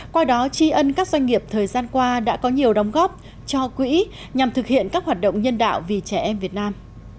qua đó tri ân các doanh nghiệp thời gian qua đã có nhiều đóng góp cho quỹ nhằm thực hiện các hoạt động nhân đạo vì trẻ em việt nam